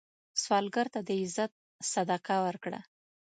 سوالګر ته د عزت صدقه ورکړه